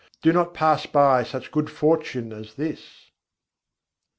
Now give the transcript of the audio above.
do not pass by such good fortune as this."